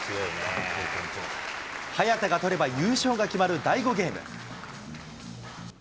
早田が取れば優勝が決まる第５ゲーム。